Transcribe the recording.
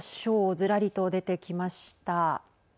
ずらりと出てきました。